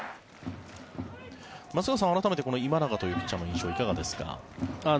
松坂さん、改めてこの今永というピッチャーの印象いかがですか。